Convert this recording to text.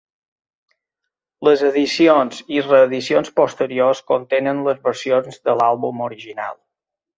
Les edicions i reedicions posteriors contenen les versions de l'àlbum original.